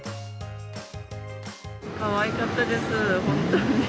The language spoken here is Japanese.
かわいかったです、本当に。